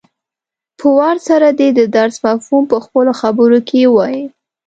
په وار سره دې د درس مفهوم په خپلو خبرو کې ووايي.